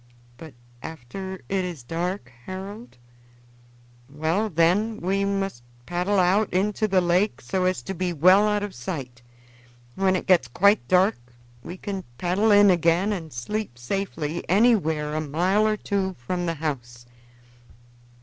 "But after it is dark, Harold?" "Well, then, we must paddle out into the lake so as to be well out of sight. When it gets quite dark we can paddle in again and sleep safely anywhere a mile or two from the house."